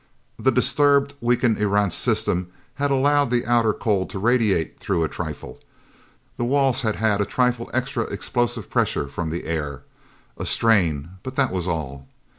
The disturbed, weakened Erentz system had allowed the outer cold to radiate through a trifle. The walls had had a trifle extra explosive pressure from the air. A strain but that was all.